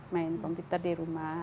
main computer di rumah